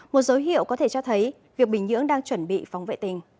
một dấu hiệu có thể cho thấy việc bình nhưỡng đang chuẩn bị phóng vệ tinh